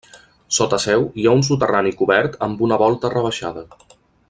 Sota seu hi ha un soterrani cobert amb una volta rebaixada.